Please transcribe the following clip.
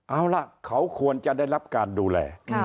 เอาล่ะเขาควรจะได้รับการดูแล